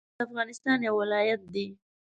کونړ د افغانستان يو ولايت دى